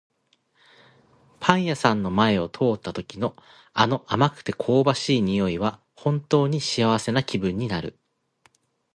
パン屋さんの前を通った時の、あの甘くて香ばしい匂いは本当に幸せな気分になる。